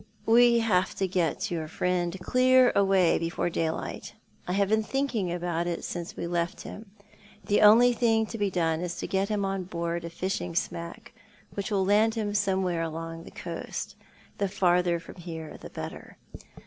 " We have to get your friend clear away before daylight, I have been thinking it out since we left him. The only thing to be done is to get him on board a fishing smack which will land him somewhere along the coast, the farther from here the better.